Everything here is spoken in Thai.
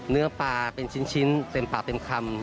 เนื้อปลาเป็นชิ้นเต็มปากเต็มคำ